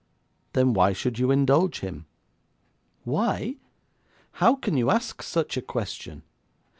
'Then why should you indulge him?' 'Why? How can you ask such a question?